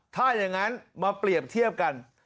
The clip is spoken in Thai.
ถ้าอย่างนั้นมาเปรียบเทียบกัน